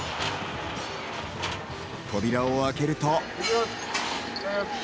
扉を開けると。